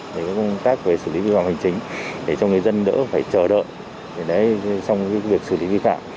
để có công tác về xử lý vi phạm hành chính để cho người dân đỡ phải chờ đợi